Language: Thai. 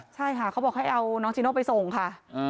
ใช่ค่ะเขาบอกให้เอาน้องจีโน่ไปส่งค่ะ